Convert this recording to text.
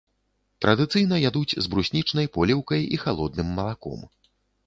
Традыцыйна ядуць з бруснічнай поліўкай і халодным малаком.